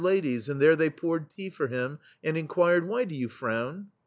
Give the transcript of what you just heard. THE STEEL FLEA dies, and there they poured tea for him, and inquired: "Why do you frown?"